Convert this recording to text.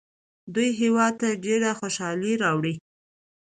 دوی هیواد ته ډېرې خوشحالۍ راوړي.